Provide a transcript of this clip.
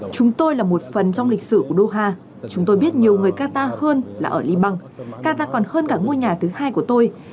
chúng tôi là một phần trong lịch sử của doha chúng tôi biết nhiều người qatar hơn là ở liban qatar còn hơn cả ngôi nhà thứ hai của tôi